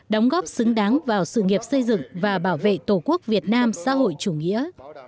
đóng góp xứng đáng vào sự nghiệp xây dựng và bảo vệ tổ quốc việt nam xã hội chủ nghĩa